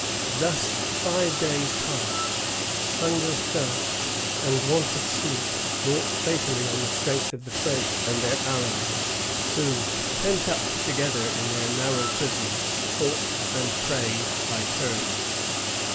Thus fiye days passed. Hunger, thirst, and want of sleep wrought fatally on the strength of the French and their allies, who, pent up together in their narrow prison, fought and prayed by turns.